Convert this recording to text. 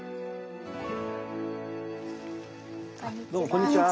こんにちは。